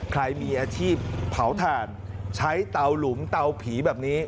ใครมีอาชีพเผาถ่านใช้เตาหลุมเตาผีแบบนี้